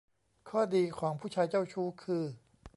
ข้อดีของผู้ชายเจ้าชู้คือ